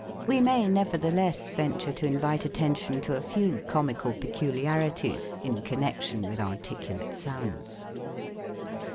We may nevertheless venture to invite attention to a few comical peculiarities in connection with articulate sounds.